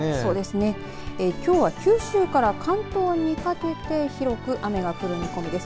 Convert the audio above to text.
きょうは九州から関東にかけて広く雨が降る見込みです。